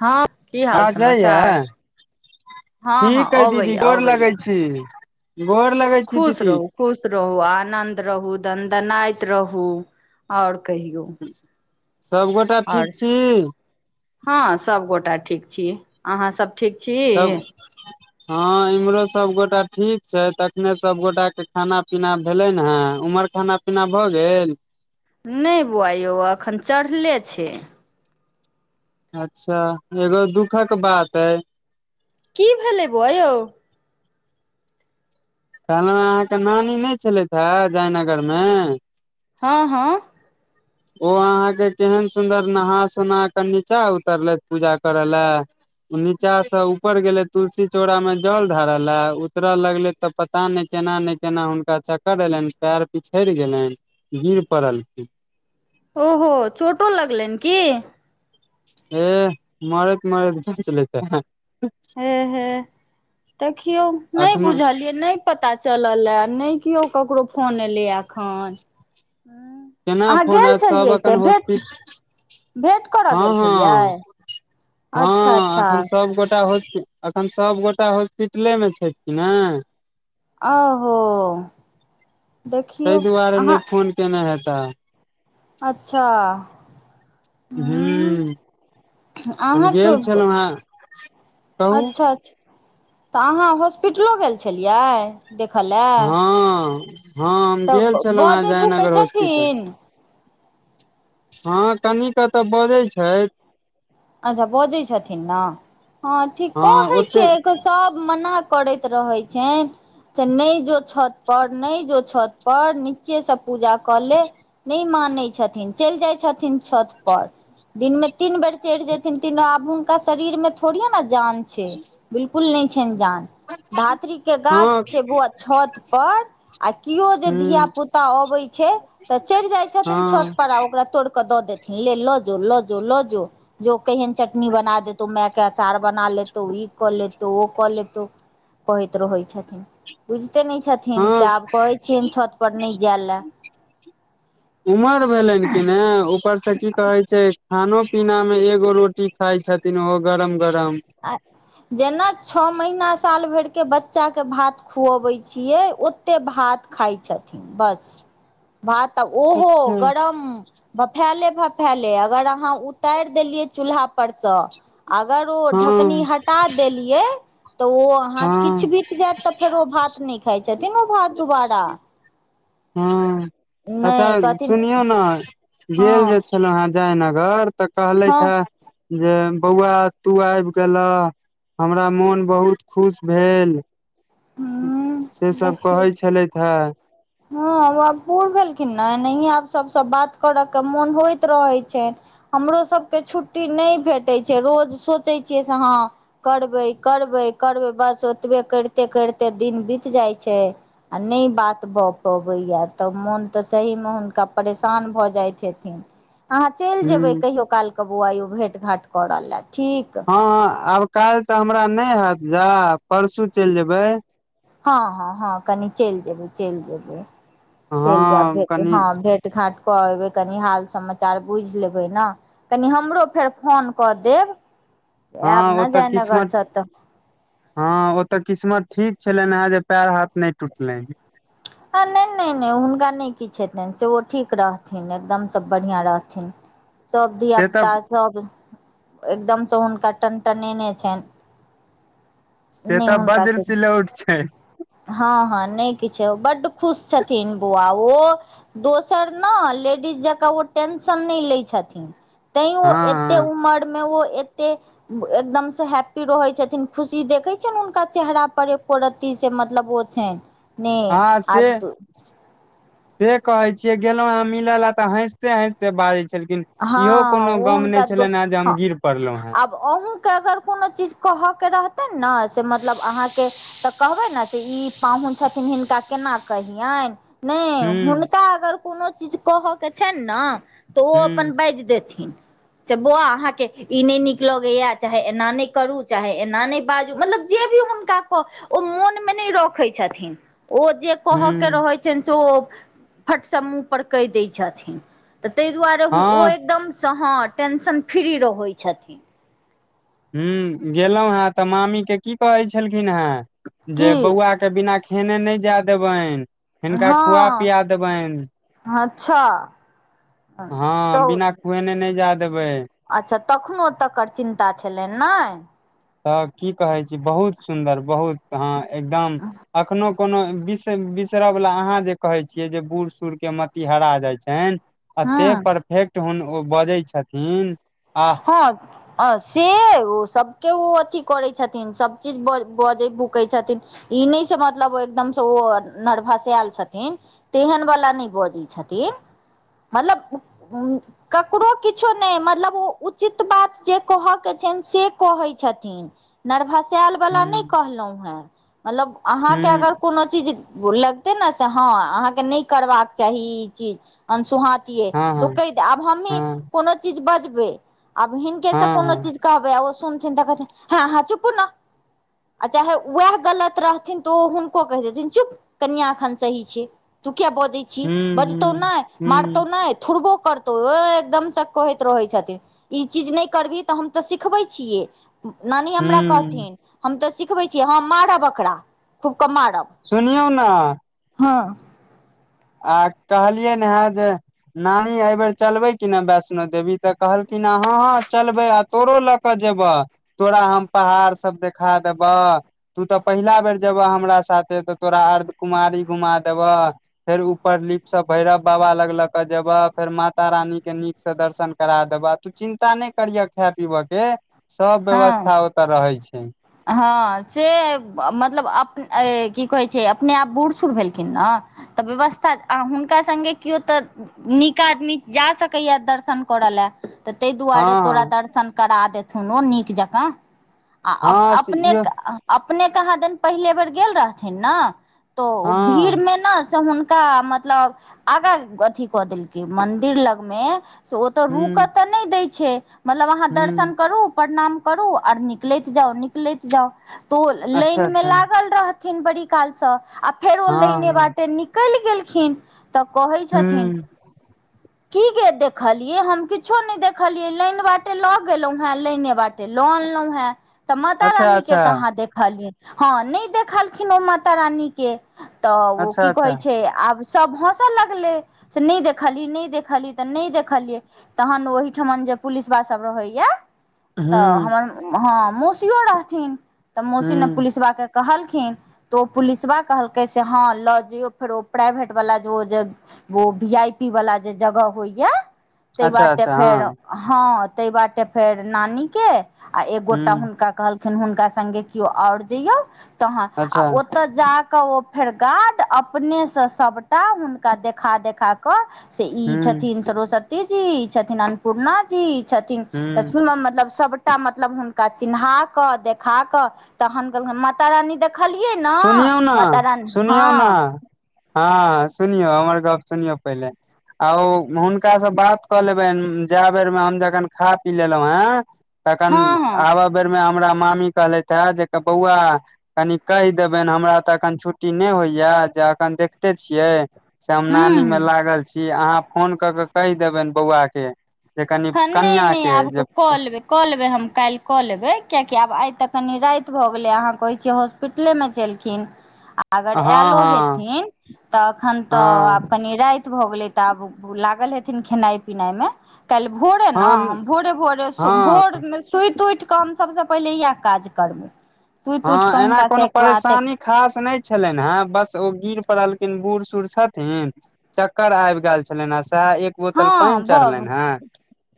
हँ की हाल आवाज समाचार जाइयए हँ हँ ठीक हय दीदी अबैया गोर अबैया लगै छी गोर लगै छी खुश दीदी रहू खुश रहू आनन्द रहू दनदनाइत रहू आओर कहियौ सबगोटा आओर ठीक छी हँ सभगोटा ठीक छी अहाँसभ ठीक छी सब हँ इम्हरो सबगोटा ठीक छै त अखने सबगोटा के खाना पीना भेले ने हे उम्हर खाना ना भऽ गेल नहि बौआ यौ एखन चढ़ले छै अच्छा एगो दुखक बात ए की भेलै बौआ यौ कहलहुँं अहाँके नानी नै छलैथ ह जयनगर मे हँ हँ ओ अहाँके केहन सुन्दर नहा सोना क नीचा उतरलैथ पूजा करय लए नीचा से ऊपर गेले तुलसी चौड़ा में जल ढारल ले उतरऽ लगले तऽ पता नै केना नै केना हुनका चक्कर एलैन पैर पिछैड़ गेलैन गिर पड़ल खिन ओहो चोटो लगलैन की ए मरैत मरैत बचलै त हे हे देखियौ नहि अखनो बुझलियै ने पता चलल एअ नैय किओ ककरो फोन एलै एखन केना अहाँ फोन गेल आयत सब छलियै एखन से भेट हस्पिटल भेँट करऽ हँ गेल हँ छलियै अच्छा हँ अच्छा एखन सब गोटे सबगोटा हॉस्पिट एखन सभगोटा हॉस्पिटले मे छैथ न ओहो ताहि देखियौ दुआरे नहि अहाँ फोन केने हेताह अच्छा ह हूँ हम अहाँके गेल छलहुँ ह कहू अच्छा अच्छा तऽ अहाँ हॉस्पिटलो गेल छलियै देख लए हँ हँ हम तऽ गेल छलहुँ हेँ बजै भूकै जयनगर हॉस्पिटल छथिन हँ तनि क तऽ बजैत छैथ अच्छा बजै छथिन न हँ ठीक हँ कहै ओते छियै के सभ मना करैत रहैत छैन से नै जो छत पर नै जो छत पर नीचे से पूजा कऽ ले नै मानै छथिन चैल जाइ छथिन छत पर दिनमे तीन बेर चढ़ि जयथिन तन आब हुनका शरीर मे थोड़ीेये न जान छै बिलकुल नै छैन जान धात्री के गाछ हँ छै बौआ छत पर आ केओ जे ह धिया पुता अबैत छै तऽ चढ़ि जाइ छथिन छत हँ पर आ ओकरा तोड़ कऽ दऽ देथि ले ल जो ल जो ल जो जो कहिएन चटनी बना देतो म‌ए क अचार बना लेतहु ई कऽ लेतहु ओ कऽ लेतहु कहैत रहैत छथिन बुझिते नहि छथिन से हँ आब कहै छियनि छत पर नहि जाय लए [unintelligible] उमर भेलनि कि ने ऊपर से की कहे छै खानो पीना मे एगो रोटी खाइ छथिन ओहो गरम गरम आ जेना छः महीना साल भरि के बच्चा के भात खुअबै छियै ओते भात खाइ छथिन बस भात तऽ ओहो अच्छा गरम भफैले भफैले अगर अहाँ उताइर देलियै चूल्हा पर सँ अगर ओ ढकनी हँ हटा देलियै तऽ ओ अहाँ हँ किछु बीत जायत तऽ फेर ओ भात नहि खाइत छथिन ओ भात दुोबारा हँ अच्छा नहि कहथिन सुनियौ ने हँ गेल जे जयनगर तऽ हँ कहलथि हे जे बौआ तू आबि गेलह हमरा मोन बहुत खुश भेल हूँ से सब देखियौ कहै छलथि हे हँ ओ आब बूढ़ भेलखिन ने ए आब सब सँ बात करय के मोन होइत रहै छै हमरो सभके छुट्टी नहि भेटैत छै रोज सोचै छियै से हँ करबै करबै करबै बस ओतबे करिते करिते दिन बीत जाइ छै आ नहि बात भऽ पबैया तऽ मोन तऽ सही में हुनका परेशान भऽ जाइत हेथिन अहाँ चलि जेबै हूँ कहियो काल क बौआयौ भेंट घाट करऽ ले ठीक हां आब काल्ह तऽ हमरा नहि हेत जा परसू चलि जेबे हँ हँ हँ कनी चलि जेबै चलि जेबै चलि हँ जेबै कनि ह भेट भेट घाट कऽ एबै कनि हाल समाचार बुझि लेबै ने कनि हमरो फेर फोन कऽ देब आयब हँ ने ओतऽ जयनगर किस्मत सँ तऽ हँ ओते किस्मत ठीक छलनि हे जे पैड़ हाथ नहि टूटलेन ह ह नहि नहि नहि हुनका नहि किछु हेतनि से ओ ठीक रहथिन एकदम सँ बढ़िआँ रहथिन सब धिय से तऽ पुता सब एकदम सँ हुनका टनटनेने छैन से तऽ बर्ज किछु सिलौट छै हँ हँ नहि किछु बड खुश छथिन बउआ ओ दोसर ने लेडीज जेकाँ ओ टेंशन नहि लैत छथिन तैं ओ एतेक हँ उमर में ओ एतेक एकदम सँ हैप्पी रहैत छथिन खुशी देखैत छियनि हुनका चेहरा परे पत रति से मतलब ओ छै ने आ आ से से कहे छियै गेलहुं हम मिले ला तऽ हैसंते हैसंते बाजै छलखि लेकिन हँ इहो हँ कोनो ओ गम नहि छलनि हे जे हम गिर पड़लहुं हे अहूँ के अगर कोनो चीज कहऽ के रहतै ने से मतलब अहाँ के तऽ कहबै ने से ई पाहुन छथिन हिनका केना कहियनि नहि हूँ हुनका अगर कोनो चीज कहऽ के छनि ने तऽ ओ अपन हूँ बाजि देथिन से बौआ अहाँ के ई नहि नीक लगैया चाहे एना नहि करू चाहे एना नहि बाजू मतलब जे भी हुनका कह ओ मोन मे नहि रखै छथिन ओ जे के हूँ रहै छै से ओ फट सम मुह पर कहि दै छथिन तऽ ताहि दुआरें ओ हँ एकदम सँ हँ टेंशन फ्री रहै छथिन हू गेलहुँ हें तऽ मामी के की कहे छलखिन हे की जे बौआ के तऽ बिना खेने नहि जाय देबनि हिनका खुआ हांँ पिया देबनि अच्छा हँ तऽत खुएने नहि जा देबै अच्छा तखनो तकर चिन्ता छलनि नहि तऽ की कहै छी बहुत सुन्दर बहुत हँ एकदम एखनो कोनो बिस बिसर वला अहाँ जे कहे छियै जे बूढ़ सूढ़ के मति हेरा जाय छनि एते हूँ परफेक्ट हु ओ बजै छथिन आह हँ अ से ओ सबके ओ अथी करै छथिन सब चीज ब बजै भुकै छथिन ई नहि से मतलब एकदम से ओ नर्भसेल छथिन तेहन वला नहि बजैत छथिन मतलब ककरो किछो नहि मतलब ओ उचित बात जे कहय के छनि से कहै छथिन नरभसायल वला नहि हूँ कहलहु हेँ मतलब अहाँके हूँ अगर कोनो चीज लगते ने से हँ अहाँके नहि करबाक चाही ई चीज अन सुहात हँ तों हँ कहितऽ आब हमहीं हँ कोनो चीज बजबै आब हिनके सँ हँ कोनो हँ चीज कहबै आ ओ सुनथिन तऽ कहथिन हाँ हाँ चुपु नऽ आ चाहे उएह गलत रहथिन तऽ ओ हुनको कहि देथिन चुप कनियाँ एखन सही छै तू किया बजै छी हूँ बजतौ हूँ नहि मारतौ हूँ नहि थुड़बो करतौ ओ एकदम से कहैत रहै छथिन ई चीज नहि करबिही तऽ हम तऽ सिखबै छियै नानी हमरा हूँ कहथिन हम तऽ सिखबै छीयै हँ मारब एकरा खूब कऽ मारब सुनियौ ने हँ आ कहलियैन हें जे नानी एहिबेर चलबै कि ने वैष्णो देवी तऽ कहलखिन ए हँ हँ चलबै आ तोरो लऽ के कऽ जेबऽ तोरा हम पहाड़ सब देखा देबऽ तू तऽ पहिला बेर जेबऽ हमरा साथे तऽ तोरा अर्ध कुमारी घुमा देबह फेर ऊपर लीपसँ भैरव बाबा लग लऽ क जेबह फेर मातारानी के नीक से दर्शन करा देबह चिन्ता नहि करिह खाय पीबऽ के सब हँ व्यवस्था ओतऽ रहै छै हँ से मतलब की कहैत छै अपने आब बूढ़ सूढ़ भेलखिन ने तऽ व्यवस्था आ हुनका संगे कियो तऽ नीक आदमी जा सकैए दर्शन करय लए तऽ ताहि हँ दुआरे तोरा दर्शन करा देथुन ओ नीक जकाँ आ हँ अप हँ से अपने इहो अपने कहाँ दिन पहिले बेर गेल रहथिन नऽ तऽ ओ हँ भीड़मे ने से हुनका मतलब आगां अथी कऽ देलकै मंदिर लग मे से ओतऽ रुक हूँ तऽ नहि दै छै मतलब अहाँ हूँ दर्शन करू प्रणाम करू आओर निकलैत जाउ निक लैत जाउ तऽ ओ अच्छा लाइन मे अच्छा लागल रहथिन बड़ी काल सँ आ फेर ओ लाइने हँ बाटे निकलि गेलखिन तऽ कहै छथिन हूँ की गे देखलियै हम किछो नहि देखलियै लाइन बाटे लऽ गेलहुँ हेँ लाइने बाटे बाटे लऽ अनलौं हें तऽ मत माता अच्छा रानी के अच्छा कहाँ देखलियनि हँ नहि देखलखिन ओ माता रानी के तऽ ओ अच्छा की अच्छा कहै छै आब सभ हँसऽ लगलै से नहि देखलहि नहि देखलहि तऽ नहि देखलियै तहन ओहिठमन जे पुलिसवा सभ रहै ये तऽ हूँ हमर हँ मौसियो रहथिन तऽ मौसी ने हूँ पुलिसवा के कहलखिन तऽ ओ पुलिसबा कहलकै से हँ लऽ जैयौ फेर ओ प्राइवेटवला जे ओ जे ओ वी आई पी वला जे जगह होइए ताहि अच्छा बाटे अच्छा फेर हँ हँ ताहि बाटे फेर नानी के आ एकगोटा हूँ हुनका कहलखिन हुनका संगे केयो आओर ज‌इयौ तहन आ अच्छा ओतऽ जाकऽ ओ फेर गार्ड अपने सँ सबटा हुनका देखा देखा कऽ से ई हूँ छथिन सरस्वती जी ई छथिन अन्नपूर्णा जी छथिन लक्ष्मण हूँ मे मतलब सबटा मतलब हुनका चिन्हा देखा कऽ तहन कहलखिन माता रानी देख देखलियै नऽ सुनियौ ने माता रानी सुनियौ ने हँ हँ सुनियौ हमर गप सुनियौ पहिले आ ओ हुनका सँ बात कऽ लेबनि जाए बेर मे हम जखन खा पी लेलहुँ हें तखन हँ हँ आबैय बेरमे हमरा मामी कहलथि हे जे बौआ कनि कहि देबनि हमरा तऽ एखन छुट्टी नहि होइया जे अखन देखते छियै से हम हूँ नानी मे हूँ लागल छी अहाँ फोन कऽ के कहि देबनि बौआ के जे कनि हँ नहि कनिया नहि के आब जे कऽ कऽ लेबै कऽ लेबै हम काल्हि कऽ लेबै कियाकि आब आइ तऽ कनि राति भऽ गेलै अहाँ कहैत छियै हॉस्पिटलेमे छेलखिन आ अगर हँ आयलो हँ हेथिन तऽ अखन तऽ हँ आब कनि राति भऽ गेलै तऽ आब लागल हेथिन खेनाइ पिनाइ मे काल्हि भोरे हँ न भोरे भोरे हँ भोर मे सुति उठि क हम सबसे पहिले यैह काज करबै सुति उठिकऽ हँ एना हुनका से कोनो एक बात परेशानी खास नै छै छलनि हे बस ओ गिर पड़लखिन बूढ़ सूढ़ छथिन चक्कर आबि गेल छलनि हे सएह एक बोतल पानि हँ ब चढ़लनि हे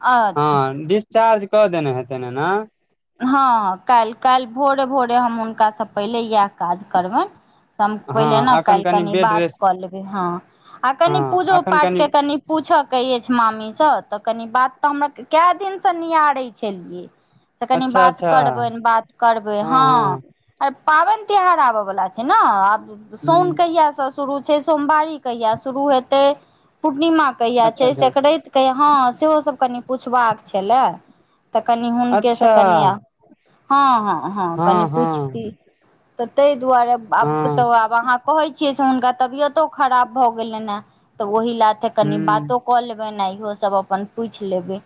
अ हँ डिस्चार्ज कऽ देने हेत एना हँ काल्हि काल्हि भोरे भोरे हम हुनका सँ पहिले इएह काज करबनि पहिले ने हँ एखन काल्हि कनि बेड बात रेस्ट कऽ लेबै हँ आ कनि पूजो हँ एखन पाठ के कनि पूछयके अछि मामी सँ तऽ कनि बात तऽ हमरा कए दिनसँ नियारैत छलियै से कनि अच्छा बात अच्छा करबनि बात करबै हँ आर पाबनि तिहार आबय वाला छै ने आब साउन ह कहिया से शुरू सोमवारी कहिया शुरू हेतै पूर्णिमा कहिया अच्छा छै अच्छा सकरैत सेहो सब कनि पुछबाक छलै तऽ कनि हुन के से अच्छा कनि हँ हँ हँ कनि पूछती तऽ ताहि दुआरे आब हँ ह तऽ आब अहाँ कहै हुनका तबियतो खराब भऽ गेलनि ने तऽ ओहि लाथे त कनि बातो कऽ लेबै ने इहो सब अपन पूछि लेबै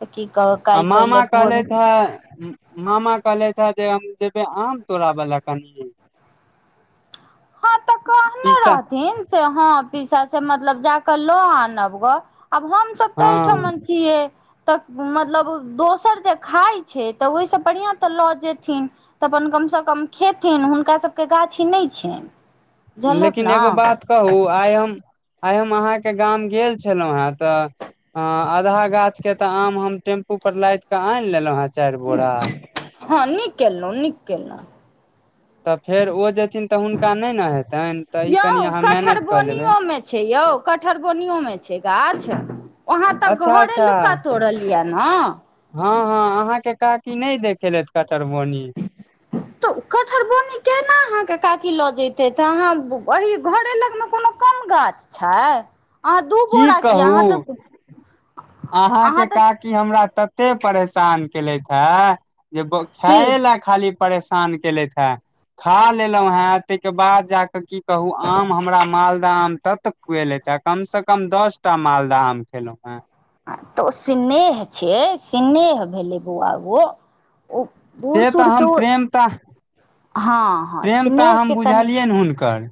तऽ की कहू आ काल्हि मामा पहिले भोरे कहलेथ है मामा कहलेथ है जे हम जेबे आम तोड़ाब ला कनि हँ तऽ कहने पीसा रहथिन से हँ पीसा से मतलब जाक लो आनब ग आब हम सब तऽ हँ ठमन छियै तऽ मतलब दोसर जे खाइत छै तऽ ओहिसँ बढ़िआँ तऽ लऽ जेते तऽ अपन कम सँ कम खेथिन हुनका सभके गाछी नहि छनि बुझलक लेकिन ने एगो बात कहू आइ हम आइ हम अहाँ के गाम गेल छलहुँ हेँ तऽ हँ आधा गाछ के तऽ आम हम टेम्पू पर लादि कऽ आनि लेलहुँ हेँ चारि बोरा हँ नीक केलहुँ नीक केलहुँ तऽ फेर ओ जेथिन तऽ हुनका नहि ने हेतनि तऽ ई कनि यौ अहाँ मैनेज कऽ लेबै कठरबोनियोमे छै यौ कटहर बोनियो मे छै गाछ आहाँ तऽ अच्छा घरे लुका तोड़ल यऽ ने हॅ हँ अहाँ के काकी नहि देखेलथि कट्टरबनी [inaudible] तऽ कठहर बौनी केना अहाँ के काकी लऽ जेतै तऽ अहाँ एहि घरे लगमे कोनो कम गाछ छै अहाँ दू की बोरा किया अहाँ कहू तऽ अहाँ तऽ क हमरा तते परेशान केलेथ हे जे की बोखायए ला खाली परेशान केलेथ है खा लेलहुँ हे तहिके बाद जाकऽ की कहू आम हमरा मालदह आम तत कुए ले छै कम से कम दस टा मालदह आम खेलहुँ है तऽ ओ स्नेह छै स्नेह भेलै बौआ ओ ओ बूढ़ से सूढ़ तऽ के हम ओ प्रेम तऽ हाँ प्रेम तऽ हम बुझलियैन हुनकर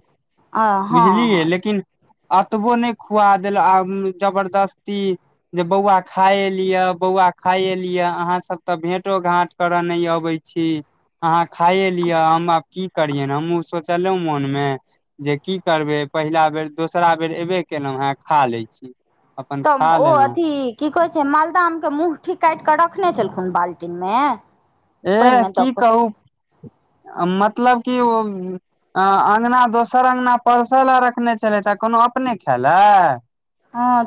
हँ बुझलियै हँ लेकिन एतबो नहि खुआ देल आ जबरदस्ती जे बौआ खाए एलियै बौआ खाए लियै अहाँ सब तऽ भेंटो घाट करऽ नहि अबै छी अहाँ खाइए लियै हम आब की करियै ने हमहूँ सोचलहुँ मोन मे जे की करबे पहिला बेर दोसरा बेर एबे केलहुं हें खा लै छी अपन तऽ खा ओ लेलहुँ अथी की कहै छै मालदह आम के मुंगठी काट कऽ रखने छलखुन बाल्टीन मे ए की कहू मतलब की ओ अ अंगना दोसर अंगना परसल आ रखने छलथि आ कोनो अपने खैले हाँ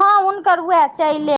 हाँ हुनकर उएह चाइले